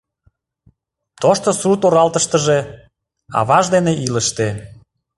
Тошто сурт-оралтыштыже аваж дене илыште.